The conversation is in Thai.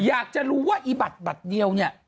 อยากจะรู้ว่าอีบัตรบัตรเดียวเนี่ย